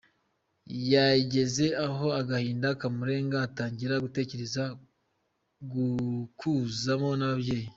Yageze aho agahinda kamurenga atangira gutekereza gukuzamo nyababyeyi.